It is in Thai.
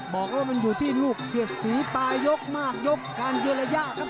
บอกว่ามันอยู่ที่ลูกเฉียดสีปลายกมากยกการยืนระยะครับ